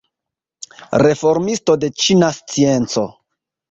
Reformisto de ĉina scienco.